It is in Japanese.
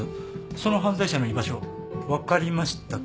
その犯罪者の居場所分かりましたけど。